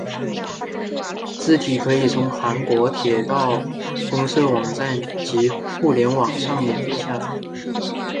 字体可以从韩国铁道公社网站及互联网上免费下载。